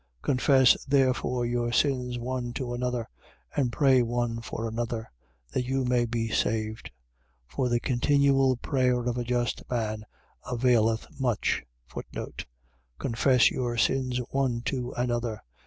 5:16. Confess therefore your sins one to another: and pray one for another, that you may be saved. For the continual prayer of a just man availeth much. Confess your sins one to another.